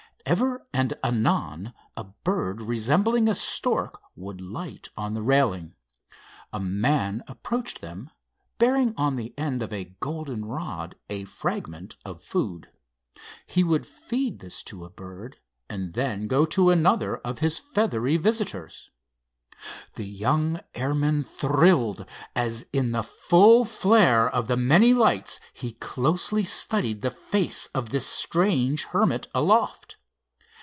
Ever and anon a bird resembling a stork would light on the railing. A man approached them, bearing on the end of a golden rod a fragment of food. He would feed this to a bird, and then go to another of his feathery visitors. The young airman thrilled, as in the full flare of the many lights he closely studied the face of this strange hermit aloft.